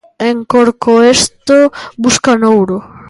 En Corcoesto buscan ouro.